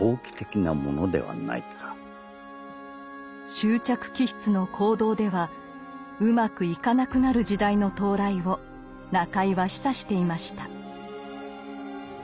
執着気質の行動ではうまくいかなくなる時代の到来を中井は示唆していました。